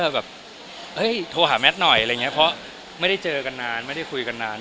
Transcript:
แบบเฮ้ยโทรหาแมทหน่อยอะไรอย่างนี้เพราะไม่ได้เจอกันนานไม่ได้คุยกันนาน